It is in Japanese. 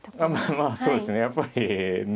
まあそうですねやっぱりね。